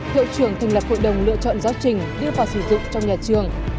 hiệu trưởng thành lập hội đồng lựa chọn giáo trình đưa vào sử dụng trong nhà trường